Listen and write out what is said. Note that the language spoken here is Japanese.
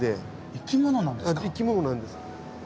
生き物なんです。